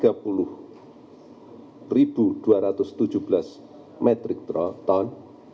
yang semula tiga puluh dua ratus tujuh belas metrik ton